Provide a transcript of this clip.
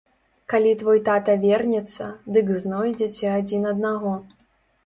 Калі твой тата вернецца, дык знойдзеце адзін аднаго.